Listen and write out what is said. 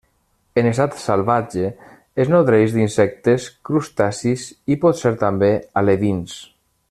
En estat salvatge es nodreix d'insectes, crustacis i, potser també, alevins.